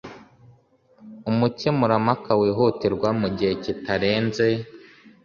umukemurampaka wihutirwa mu gihe kitarenze